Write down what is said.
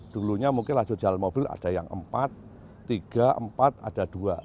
dulunya mungkin lajur jalan mobil ada yang empat tiga empat ada dua